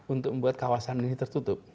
untuk membuat kawasan ini tertutup